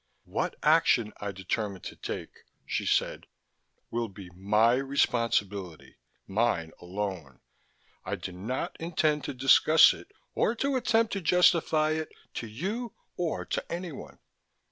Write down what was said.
"What action I determine to take," she said, "will be my responsibility. Mine alone. I do not intend to discuss it, or to attempt to justify it, to you or to anyone."